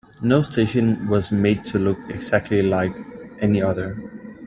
No station was made to look exactly like any other.